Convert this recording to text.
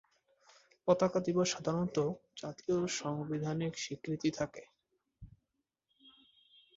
পতাকা দিবস সাধারণতঃ জাতীয় সাংবিধানিক স্বীকৃতি থাকে।